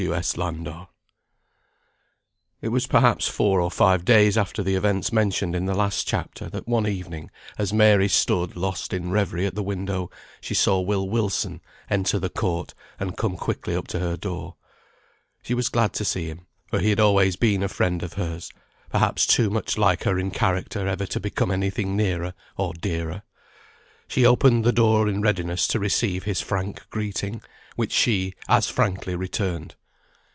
W. S. LANDOR. It was perhaps four or five days after the events mentioned in the last chapter, that one evening, as Mary stood lost in reverie at the window, she saw Will Wilson enter the court, and come quickly up to her door. She was glad to see him, for he had always been a friend of hers, perhaps too much like her in character ever to become any thing nearer or dearer. She opened the door in readiness to receive his frank greeting, which she as frankly returned.